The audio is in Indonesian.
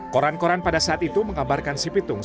koran koran pada saat itu menggambarkan si pitung